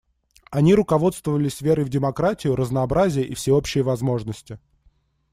Они руководствовались верой в демократию, разнообразие и всеобщие возможности.